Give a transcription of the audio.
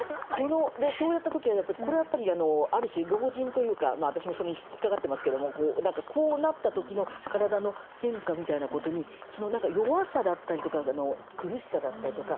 そうやった時はやっぱりこれはある種老人というか私もそれに引っ掛かってますけどもこうなった時の体の変化みたいなことに弱さだったりとか苦しさだったりとか老いのダークサイドですよね